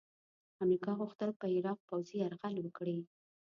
امریکا غوښتل په عراق پوځي یرغل وکړي.